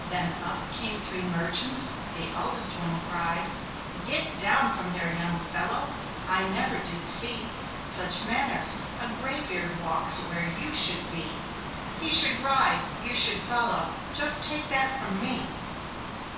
Then up came three merchants. The eldest one cried; "Get down there, young fellow! I never did see Such manners: a gray beard walks where you should be. He should ride, you should follow. Just take that from me!"